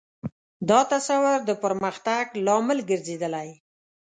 دا تصور د پرمختګ لامل ګرځېدلی.